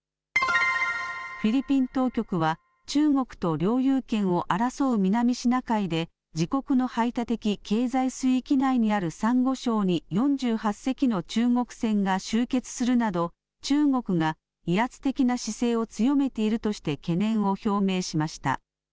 フィリピン当局は、中国と領有権を争う南シナ海で、自国の排他的経済水域内にあるさんご礁に４８隻の中国船が集結するなど、中国が威圧的な姿勢を強めているとして懸念を表明しました。